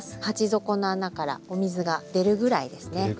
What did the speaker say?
鉢底の穴からお水が出るぐらいですね。